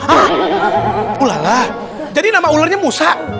hah ulala jadi nama ularnya musa